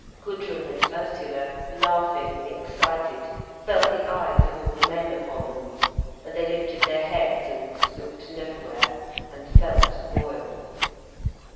Gudrun and Ursula, laughing, excited, felt the eyes of all the men upon them, and they lifted their heads and looked nowhere, and felt royal.